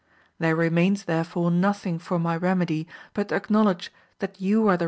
There remains therefore nothing for my remedy but to acknowledge that you are the AMADIS OF GAUL.